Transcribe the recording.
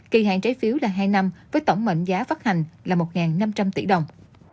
kỳ hạn trái phiếu là hai năm với tổng mệnh giá phát hành là một năm trăm linh tỷ đồng